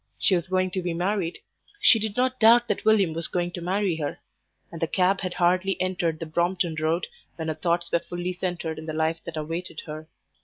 She was going to be married. She did not doubt that William was going to marry her; and the cab had hardly entered the Brompton Road when her thoughts were fully centred in the life that awaited her.